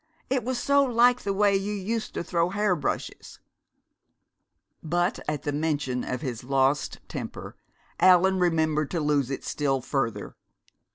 It was so like the way you used to throw hair brushes " But at the mention of his lost temper Allan remembered to lose it still further.